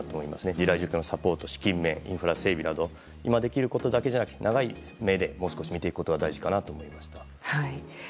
地雷除去のサポート、資金面インフラ整備など今できることだけじゃなくて長い目でもう少し見ていくことが大事かなと思います。